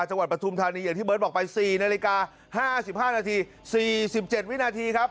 ปฐุมธานีอย่างที่เบิร์ตบอกไป๔นาฬิกา๕๕นาที๔๗วินาทีครับ